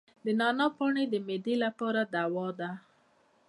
د نعناع پاڼې د معدې لپاره دوا ده.